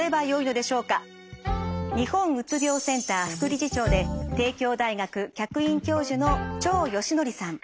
日本うつ病センター副理事長で帝京大学客員教授の張賢徳さん。